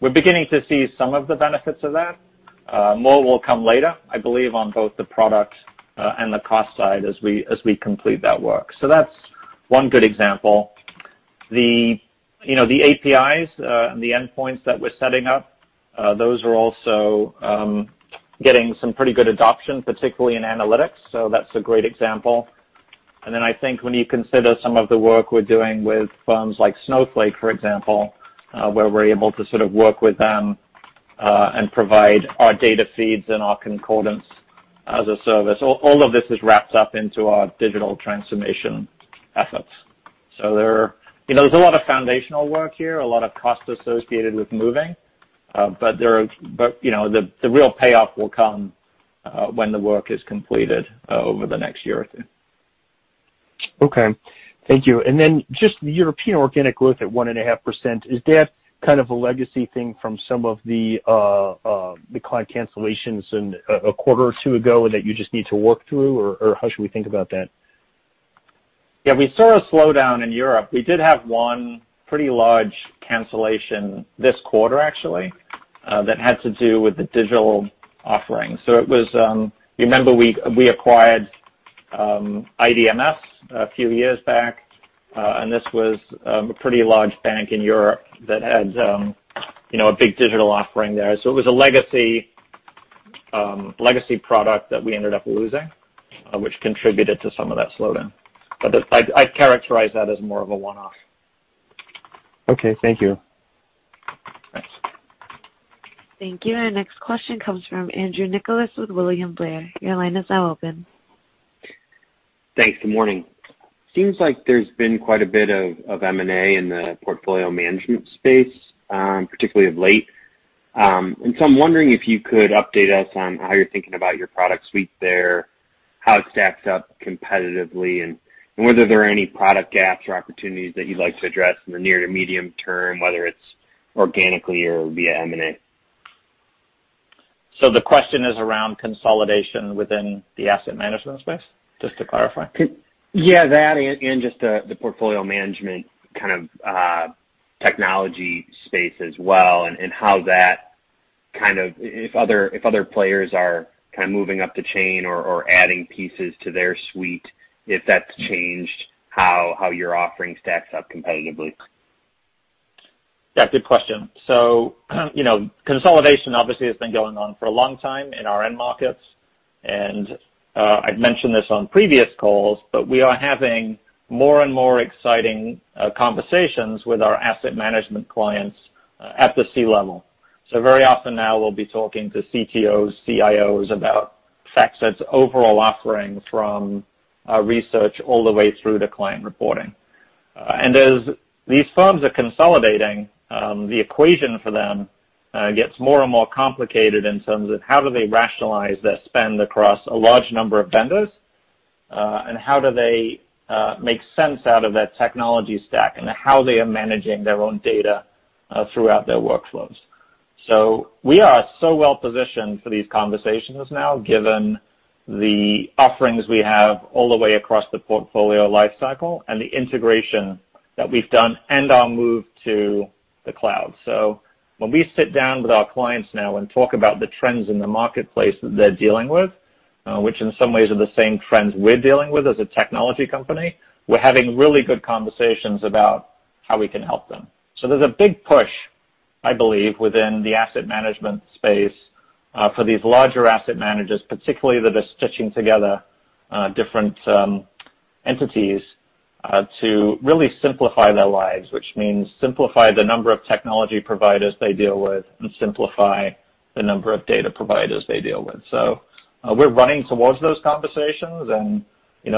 We're beginning to see some of the benefits of that. More will come later, I believe, on both the product and the cost side as we complete that work. That's one good example. The APIs, the endpoints that we're setting up, those are also getting some pretty good adoption, particularly in analytics. That's a great example. I think when you consider some of the work we're doing with firms like Snowflake, for example, where we're able to sort of work with them, and provide our data feeds and our Concordance as a service. All of this is wrapped up into our digital transformation efforts. There's a lot of foundational work here, a lot of cost associated with moving, but the real payoff will come when the work is completed over the next year or two. Okay. Thank you. Just the European organic growth at 1.5%, is that kind of a legacy thing from some of the client cancellations a quarter or two ago and that you just need to work through, or how should we think about that? Yeah, we saw a slowdown in Europe. We did have one pretty large cancellation this quarter actually, that had to do with the digital offering. Remember we acquired IDMS a few years back, and this was a pretty large bank in Europe that had a big digital offering there. It was a legacy product that we ended up losing, which contributed to some of that slowdown. I'd characterize that as more of a one-off. Okay. Thank you. Thanks. Thank you. Our next question comes from Andrew Nicholas with William Blair. Your line is now open. Thanks. Good morning. Seems like there's been quite a bit of M&A in the portfolio management space, particularly of late. I'm wondering if you could update us on how you're thinking about your product suite there, how it stacks up competitively, and whether there are any product gaps or opportunities that you'd like to address in the near to medium term, whether it's organically or via M&A. The question is around consolidation within the asset management space? Just to clarify. Yeah, that and just the portfolio management kind of technology space as well, and how if other players are kind of moving up the chain or adding pieces to their suite, if that's changed how your offering stacks up competitively. Yeah. Good question. Consolidation obviously has been going on for a long time in our end markets, and, I'd mentioned this on previous calls, but we are having more and more exciting conversations with our asset management clients at the C-level. Very often now we'll be talking to CTOs, CIOs about FactSet's overall offering from our research all the way through to client reporting. As these firms are consolidating, the equation for them gets more and more complicated in terms of how do they rationalize their spend across a large number of vendors, and how do they make sense out of that technology stack, and how they are managing their own data throughout their workflows. We are so well positioned for these conversations now given the offerings we have all the way across the portfolio life cycle and the integration that we've done and our move to the cloud. When we sit down with our clients now and talk about the trends in the marketplace that they're dealing with, which in some ways are the same trends we're dealing with as a technology company, we're having really good conversations about how we can help them. There's a big push, I believe, within the asset management space, for these larger asset managers, particularly that are stitching together different entities to really simplify their lives, which means simplify the number of technology providers they deal with and simplify the number of data providers they deal with. We're running towards those conversations and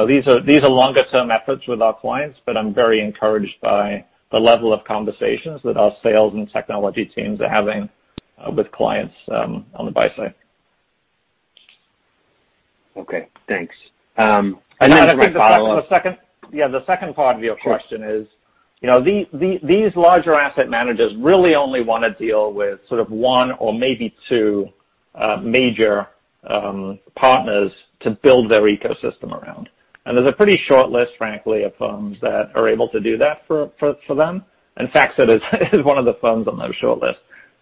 these are longer-term efforts with our clients, but I'm very encouraged by the level of conversations that our sales and technology teams are having with clients on the buy side. Okay. Thanks. Then a quick follow-up. Yeah, the second part of your question is these larger asset managers really only want to deal with sort of one or maybe two major partners to build their ecosystem around. There's a pretty short list, frankly, of firms that are able to do that for them. FactSet is one of the firms on their short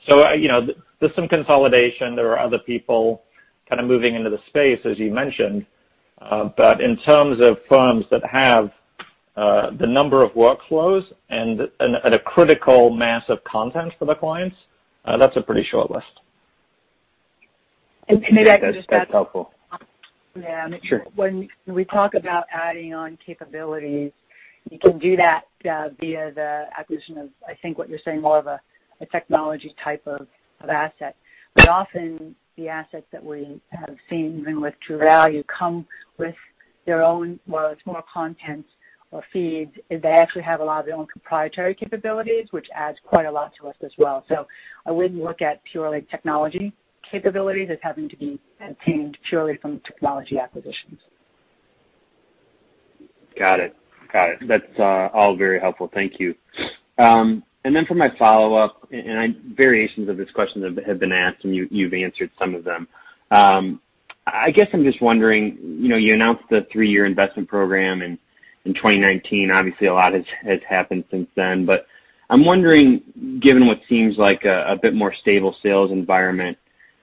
list. There's some consolidation. There are other people kind of moving into the space, as you mentioned. In terms of firms that have the number of workflows and at a critical mass of content for the clients, that's a pretty short list. That's helpful. Yeah. Sure. When we talk about adding on capabilities, you can do that via the acquisition of, I think what you're saying, more of a technology type of asset. Often the assets that we have seen, even with Truvalue Labs, come with their own, well, it's more content or feeds, is they actually have a lot of their own proprietary capabilities, which adds quite a lot to us as well. I wouldn't look at purely technology capabilities as having to be obtained purely from technology acquisitions. Got it. That's all very helpful. Thank you. Then for my follow-up, and variations of this question have been asked, and you've answered some of them. I guess I'm just wondering, you announced the three-year investment program in 2019. Obviously, a lot has happened since then. I'm wondering, given what seems like a bit more stable sales environment,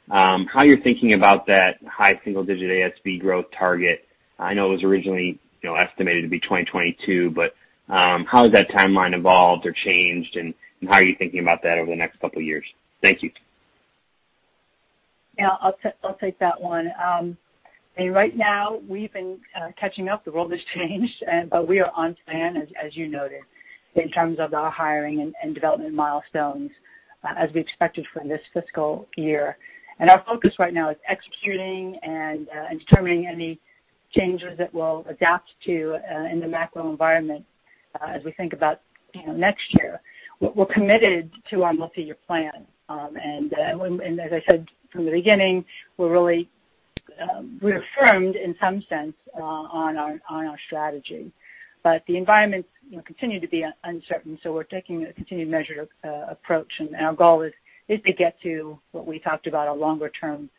how you're thinking about that high single-digit ASV growth target. I know it was originally estimated to be 2022, but how has that timeline evolved or changed, and how are you thinking about that over the next couple of years? Thank you. Yeah. I'll take that one. Right now, we've been catching up. The world has changed. We are on plan, as you noted, in terms of our hiring and development milestones as we expected for this fiscal year. Our focus right now is executing and determining any changes that we'll adapt to in the macro environment as we think about next year. We're committed to our multi-year plan. As I said from the beginning, we're reaffirmed in some sense on our strategy. The environment continues to be uncertain, so we're taking a continued measured approach, and our goal is to get to what we talked about, a longer-term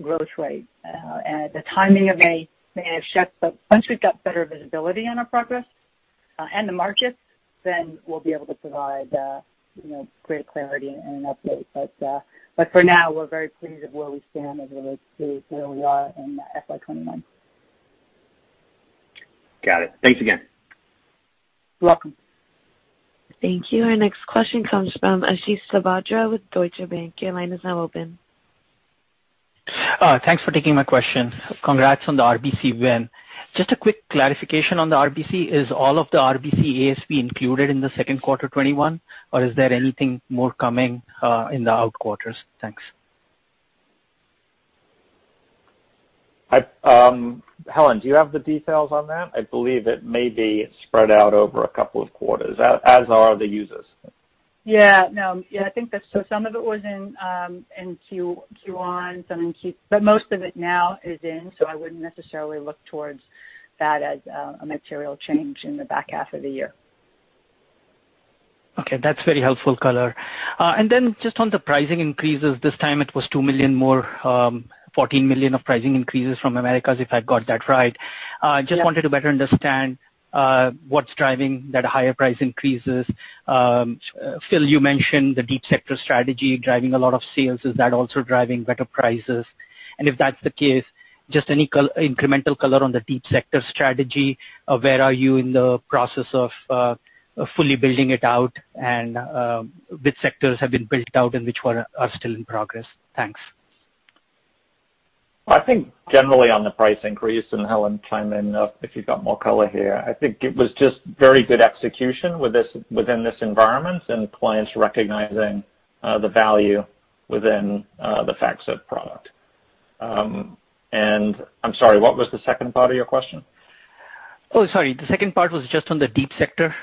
growth rate. The timing may have shifted, but once we've got better visibility on our progress, and the markets, then we'll be able to provide greater clarity and an update. For now, we're very pleased at where we stand as it relates to where we are in FY 2021. Got it. Thanks again. You're welcome. Thank you. Our next question comes from Ashish Sabadra with Deutsche Bank. Your line is now open. Thanks for taking my question. Congrats on the RBC win. Just a quick clarification on the RBC. Is all of the RBC ASV included in the second quarter 2021, or is there anything more coming in the out quarters? Thanks. Helen, do you have the details on that? I believe it may be spread out over a couple of quarters, as are the users. Yeah. Some of it was in Q1, but most of it now is in, so I wouldn't necessarily look towards that as a material change in the back half of the year. Okay. That's very helpful color. Then just on the pricing increases, this time it was $2 million more, $14 million of pricing increases from Americas, if I've got that right. Yeah. Just wanted to better understand what's driving that higher price increases. Phil, you mentioned the Deep Sector strategy driving a lot of sales. Is that also driving better prices? If that's the case, just any incremental color on the Deep Sector strategy. Where are you in the process of fully building it out, and which sectors have been built out and which ones are still in progress? Thanks. I think generally on the price increase, Helen, chime in if you've got more color here. I think it was just very good execution within this environment and clients recognizing the value within the FactSet product. I'm sorry, what was the second part of your question? Oh, sorry. The second part was just on the Deep Sector.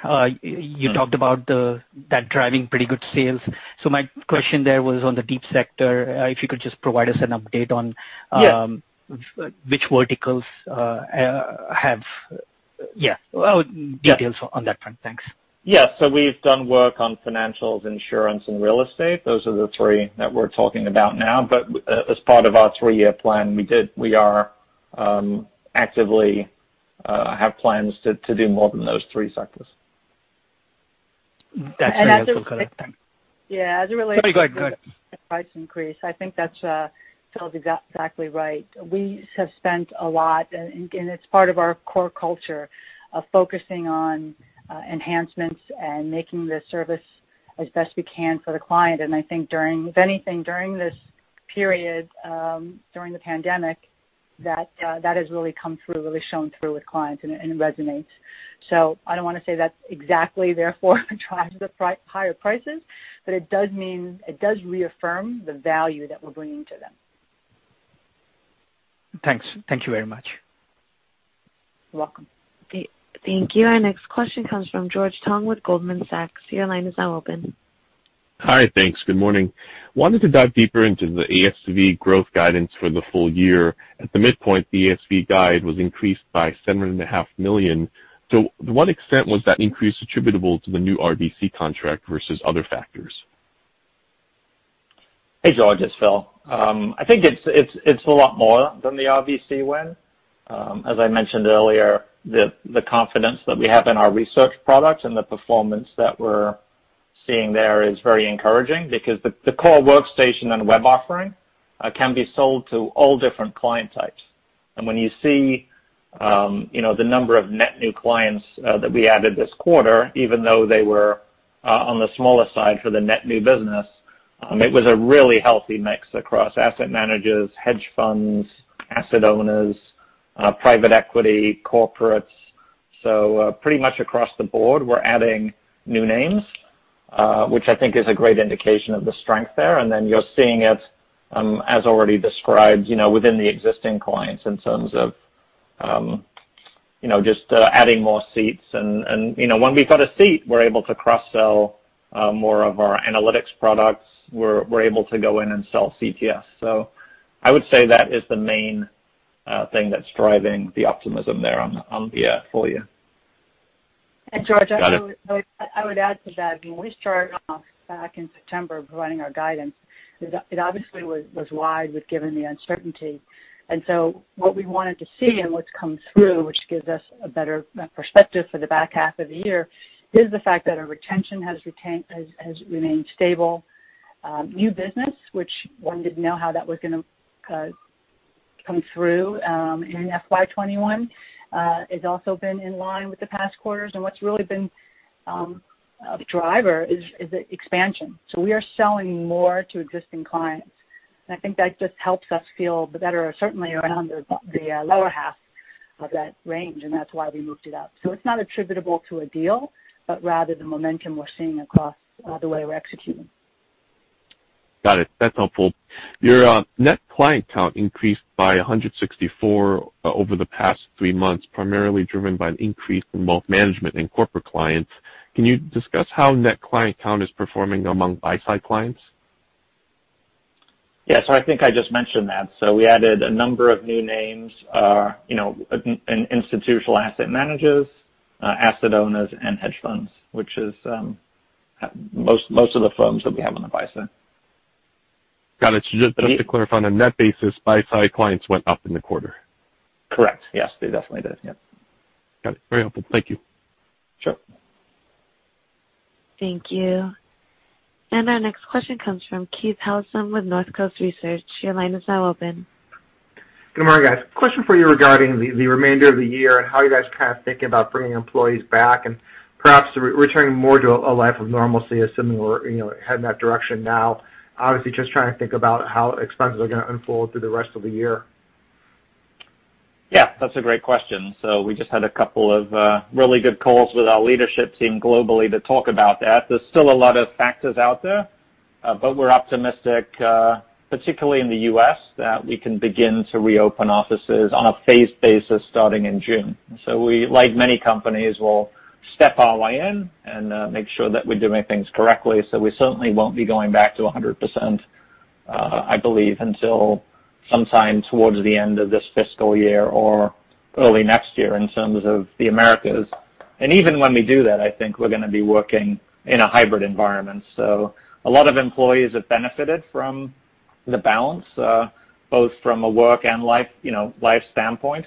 You talked about that driving pretty good sales. My question there was on the Deep Sector, if you could just provide us an update on. Yeah which verticals. Yeah. Details on that front. Thanks. Yeah. We've done work on financials, insurance, and real estate. Those are the three that we're talking about now. As part of our three-year plan, we are actively have plans to do more than those three sectors. That's really helpful color. Thanks. Yeah. No, go ahead. to the price increase, I think Phil's exactly right. We have spent a lot, and it's part of our core culture, of focusing on enhancements and making the service as best we can for the client. I think if anything, during this period, during the pandemic, that has really come through, really shown through with clients, and it resonates. I don't want to say that's exactly therefore drives the higher prices, but it does reaffirm the value that we're bringing to them. Thanks. Thank you very much. You're welcome. Thank you. Our next question comes from George Tong with Goldman Sachs. Your line is now open. Hi. Thanks. Good morning. Wanted to dive deeper into the ASV growth guidance for the full-year. At the midpoint, the ASV guide was increased by $seven and a half million. To what extent was that increase attributable to the new RBC contract versus other factors? Hey, George. It's Phil. I think it's a lot more than the RBC win. As I mentioned earlier, the confidence that we have in our research products and the performance that we're seeing there is very encouraging because the core workstation and web offering can be sold to all different client types. When you see the number of net new clients that we added this quarter, even though they were on the smaller side for the net new business, it was a really healthy mix across asset managers, hedge funds, asset owners, private equity, corporates. Pretty much across the board, we're adding new names, which I think is a great indication of the strength there. Then you're seeing it, as already described, within the existing clients in terms of just adding more seats. When we've got a seat, we're able to cross-sell more of our analytics products. We're able to go in and sell CTS. I would say that is the main thing that's driving the optimism there on the full-year. George. Got it. add to that. When we started off back in September providing our guidance, it obviously was wide with given the uncertainty. What we wanted to see and what's come through, which gives us a better perspective for the back half of the year, is the fact that our retention has remained stable. New business, which one didn't know how that was going to come through, in FY 2021, has also been in line with the past quarters. What's really been a driver is the expansion. We are selling more to existing clients. I think that just helps us feel better, certainly around the lower half of that range, and that's why we moved it up. It's not attributable to a deal, but rather the momentum we're seeing across the way we're executing. Got it. That's helpful. Your net client count increased by 164 over the past three months, primarily driven by an increase in wealth management and corporate clients. Can you discuss how net client count is performing among buy-side clients? Yeah. I think I just mentioned that. We added a number of new names, institutional asset managers, asset owners, and hedge funds, which is most of the firms that we have on the buy side. Got it. Just to clarify, on a net basis, buy-side clients went up in the quarter. Correct. Yes, they definitely did. Yep. Got it. Very helpful. Thank you. Sure. Thank you. Our next question comes from Keith Housum with Northcoast Research. Your line is now open. Good morning, guys. Question for you regarding the remainder of the year and how you guys are kind of thinking about bringing employees back and perhaps returning more to a life of normalcy, assuming we're heading in that direction now? Obviously, just trying to think about how expenses are going to unfold through the rest of the year. Yeah, that's a great question. We just had a couple of really good calls with our leadership team globally to talk about that. There's still a lot of factors out there, but we're optimistic, particularly in the U.S., that we can begin to reopen offices on a phased basis starting in June. We, like many companies, will step our way in and make sure that we're doing things correctly. We certainly won't be going back to 100%, I believe, until sometime towards the end of this fiscal year or early next year in terms of the Americas. Even when we do that, I think we're going to be working in a hybrid environment. A lot of employees have benefited from the balance, both from a work and life standpoint.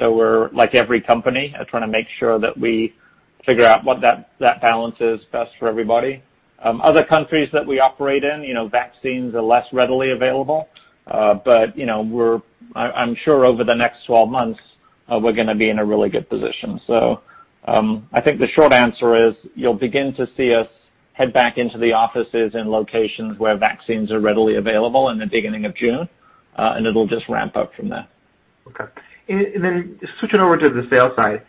We're, like every company, trying to make sure that we figure out what that balance is best for everybody. Other countries that we operate in, vaccines are less readily available. I'm sure over the next 12 months, we're going to be in a really good position. I think the short answer is you'll begin to see us head back into the offices in locations where vaccines are readily available in the beginning of June, and it'll just ramp up from there. Okay. Switching over to the sales side,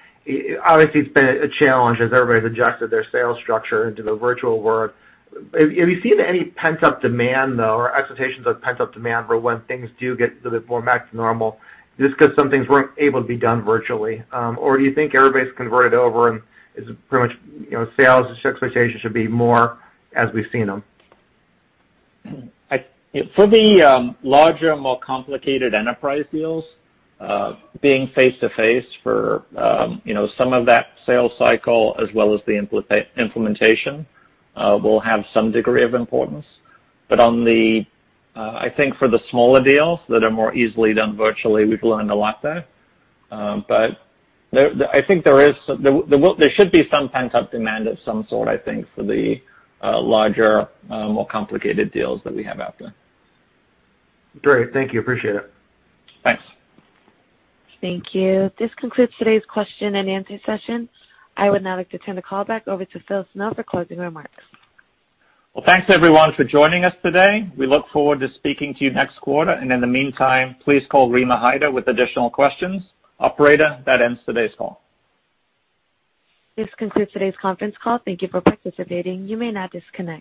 obviously it's been a challenge as everybody's adjusted their sales structure into the virtual world. Have you seen any pent-up demand, though, or expectations of pent-up demand for when things do get more back to normal just because some things weren't able to be done virtually? Do you think everybody's converted over and it's pretty much sales expectations should be more as we've seen them? For the larger, more complicated enterprise deals, being face-to-face for some of that sales cycle as well as the implementation will have some degree of importance. I think for the smaller deals that are more easily done virtually, we've learned a lot there. I think there should be some pent-up demand of some sort, I think, for the larger, more complicated deals that we have out there. Great. Thank you. Appreciate it. Thanks. Thank you. This concludes today's question-and-answer session. I would now like to turn the call back over to Phil Snow for closing remarks. Well, thanks everyone for joining us today. We look forward to speaking to you next quarter, and in the meantime, please call Rima Hyder with additional questions. Operator, that ends today's call. This concludes today's conference call. Thank you for participating. You may now disconnect.